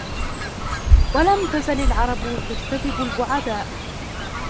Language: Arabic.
وَلَمْ تَزَلْ الْعَرَبُ تَجْتَذِبُ الْبُعَدَاءَ